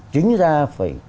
chính ra phải